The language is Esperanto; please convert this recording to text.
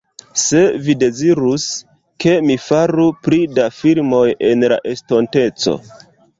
se vi dezirus, ke mi faru pli da filmoj en la estonteco